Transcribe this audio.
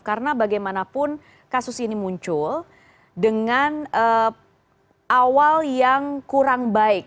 karena bagaimanapun kasus ini muncul dengan awal yang kurang baik